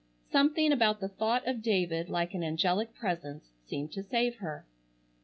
Something about the thought of David like an angelic presence seemed to save her.